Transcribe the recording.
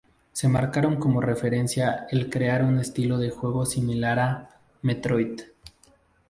Se marcaron como referencia el crear un estilo de juego similar a "Metroid".